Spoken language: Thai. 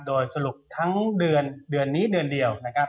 โดยสรุปทั้งเดือนเดือนนี้เดือนเดียวนะครับ